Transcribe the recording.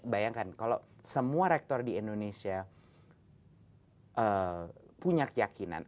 bayangkan kalau semua rektor di indonesia punya keyakinan